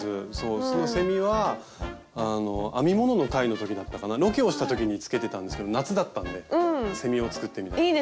そのセミは編み物の回の時だったかなロケをした時につけてたんですけど夏だったんでセミを作ってみたりとか。